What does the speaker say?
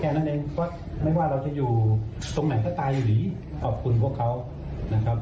เพราะว่าไม่ว่าเราจะอยู่ตรงไหนก็ตายอยู่หรือขอบคุณพวกเขานะครับ